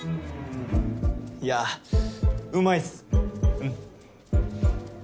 いやうまいっすうん。